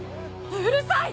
うるさい！